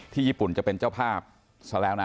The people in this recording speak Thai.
ที่ญี่ปุ่นจะเป็นเจ้าภาพหรือเป็นวิธานแล้วนะ